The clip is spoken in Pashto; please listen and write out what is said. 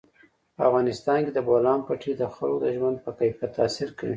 په افغانستان کې د بولان پټي د خلکو د ژوند په کیفیت تاثیر کوي.